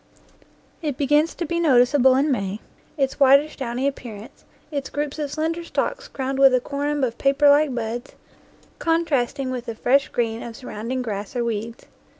It begins to be noticeable in May, its whitish downy appearance, its groups of slender stalks crowned with a corymb of paperlike buds, contrasting with the fresh green of surround ing grass or weeds.